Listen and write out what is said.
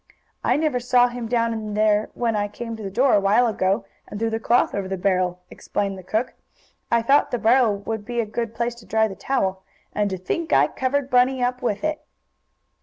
"I never saw him down in there when I came to the door a while ago, and threw the cloth over the barrel," explained the cook. "I thought the barrel would be a good place to dry the towel. And to think I covered Bunny up with it!"